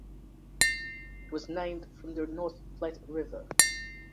It was named from the North Platte River.